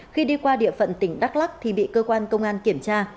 khi đi qua địa phận tỉnh đắk lắc thì bị cơ quan công an kiểm tra